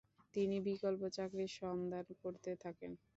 তিনি বিকল্প চাকরির সন্ধান করতে থাকেন ।